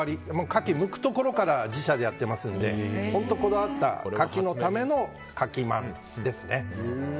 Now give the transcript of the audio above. カキを剥くところから自社でやってますので本当にこだわったカキのためのカキまんですね。